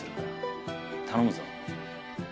頼むぞ。